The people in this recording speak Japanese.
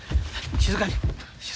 静かに。